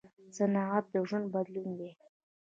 صنعت د ژوند بدلون دی.